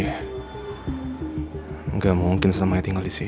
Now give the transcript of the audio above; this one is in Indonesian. tidak mungkin selamanya tinggal di sini